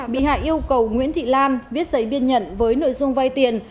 bị hại yêu cầu nguyễn thị lan viết giấy biên nhận với nội dung vay tiền